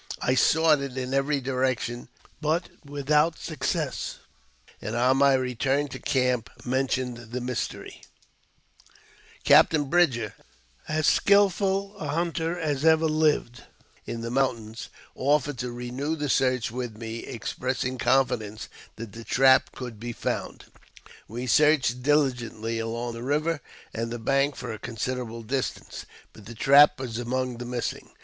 I sought it in every direction, but without success, and on my return to camp mentioned the mystery. 9 130 AUTOBIOGBAPHY OF Captain Bridger (as skilful a hunter as ever lived in the mountains) offered to renew the search with me, expressing confidence that the trap could be found. We searched diligently along the river and the bank for a considerable distance, but the trap was among the missing.